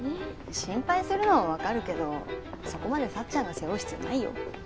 心配するのは分かるけどそこまで幸ちゃんが背負う必要ないよ。